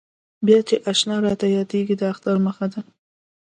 بیا چې اشنا راته یادېږي د اختر مخه ده.